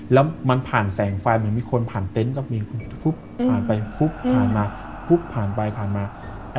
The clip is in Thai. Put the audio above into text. แล้วมันผ่านแสงฟ้าเหมือนมีคนผ่านเต็นต์ก็มีคนผ่านไปผ่านมาผ่านไปผ่านมา